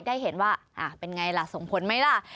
ได้เห็นว่าเป็นไงล่ะส่งผลไหมล่ะ